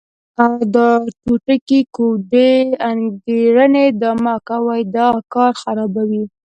دا ټوټکې، کوډې، انګېرنې دا مه کوئ، دا کار خرابوي.